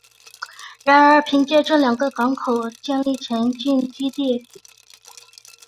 然后凭借这两个港口建立前进基地。